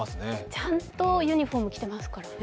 ちゃんとユニフォーム着てますからね。